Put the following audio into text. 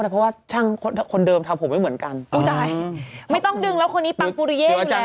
แต่ไม่ใช่แบบเราคิดถึงว่ามีแม่ไสบัสไม่ใช่